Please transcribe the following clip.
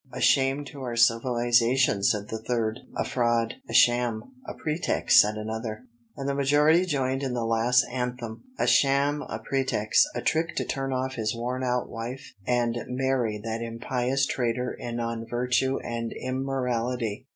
"A shame to our civilization," said the third. "A fraud, a sham, a pretext," said another. And the majority joined in the last anthem, "a sham, a pretext," a trick to turn off his worn out wife and marry that impious trader in unvirtue and immorality.